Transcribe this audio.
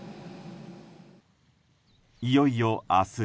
いよいよ明日